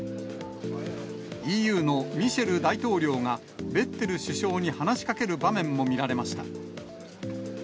ＥＵのミシェル大統領がベッテル首相に話しかける場面も見られました。